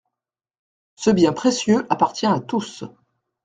Ce bien précieux appartient à tous.